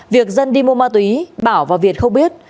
việc dân đi mua ma túy bảo và việt không biết